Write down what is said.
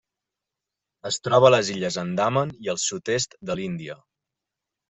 Es troba a les Illes Andaman i el sud-est de l'Índia.